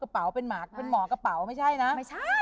เป็นหมอกระเป๋าไม่ใช่นะ